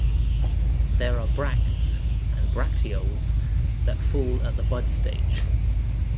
There are bracts and bracteoles that fall at the bud stage.